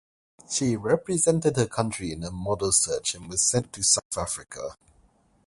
She represented her country in a model search and was sent to South Africa.